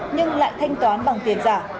nhưng lại thanh toán bằng tiền giả